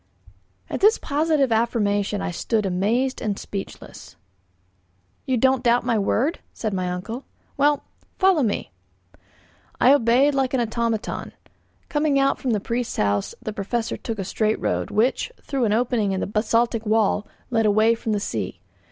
At this positive affirmation I stood amazed and speechless. "You don't doubt my word?" said my uncle. "Well, follow me." I obeyed like an automaton. Coming out from the priest's house, the Professor took a straight road, which, through an opening in the basaltic wall, led away from the sea.